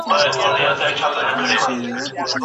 موږ بايد خپل عزت لوړ وساتو.